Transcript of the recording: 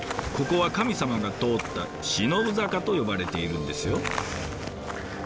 ここは神様が通った「日月坂」と呼ばれているんですよ。